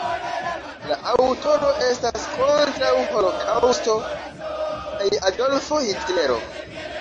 La aŭtoro estas kontraŭ holokaŭsto kaj Adolfo Hitlero.